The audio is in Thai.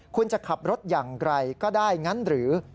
คุณจะขับรถอย่างไกลก็ได้งั้นหรือ